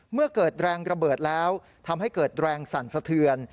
เมื่อเกิดแรงระเบิดแล้วทำให้เกิดแรงสั่นสะเทือน